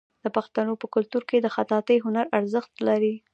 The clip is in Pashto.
د پښتنو په کلتور کې د خطاطۍ هنر ارزښت لري.